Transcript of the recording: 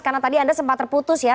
karena tadi anda sempat terputus ya